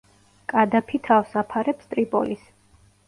კადაფი თავს აფარებს ტრიპოლის.